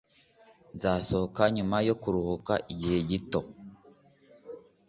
Nzasohoka nyuma yo kuruhuka igihe gito.